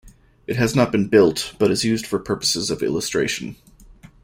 It has not been built, but is used for purposes of illustration.